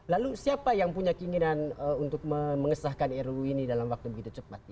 lalu siapa yang punya keinginan untuk mengesahkan ruu ini dalam waktu begitu cepat